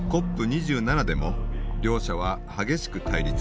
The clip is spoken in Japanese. ２７でも両者は激しく対立。